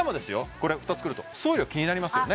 これ２つ来ると送料気になりますよね